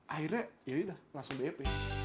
akhirnya yaudah langsung dep